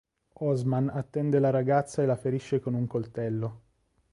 Osman attende la ragazza e la ferisce con un coltello.